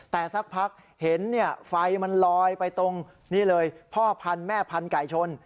แต่สักพักเห็นไฟมันลอยไปตรงนี่เลยพ่อพันธุ์แม่พันธไก่ชน